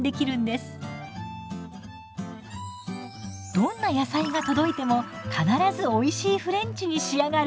どんな野菜が届いても必ずおいしいフレンチに仕上がる！